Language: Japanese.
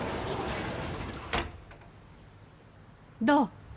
どう？